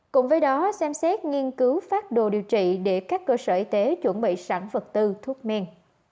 cùng với đó xem xét nghiên cứu phát đồ điều trị để các cơ sở y tế chuẩn bị sẵn vật tư thuốc men